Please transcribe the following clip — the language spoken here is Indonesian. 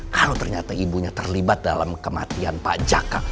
kalau ternyata ibunya terlibat dalam kematian pak jaka